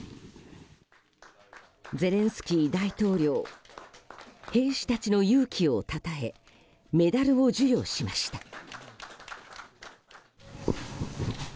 ゼレンスキー大統領兵士たちの勇気をたたえメダルを授与しました。